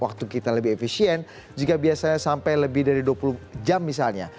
waktu kita lebih efisien jika biasanya sampai lebih dari dua puluh jam misalnya